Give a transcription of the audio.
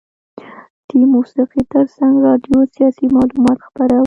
د موسیقي ترڅنګ راډیو سیاسي معلومات خپرول.